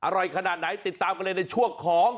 อร่อยขนาดไหนติดตามกันเลยในช่วงของ